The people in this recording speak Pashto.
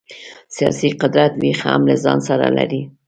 سیاسي قدرت وېش هم له ځان سره لري.